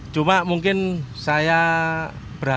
cuma mungkin saya berharga